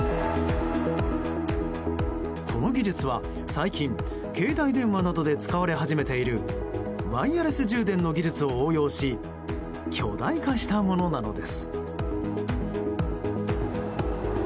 この技術は最近、携帯電話などで使われ始めているワイヤレス充電の技術を応用し巨大化したものなのです。